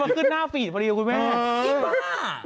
มาขึ้นหน้าฟีดพอเดียวคุณแม่อีบ้า